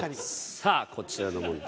さあこちらの問題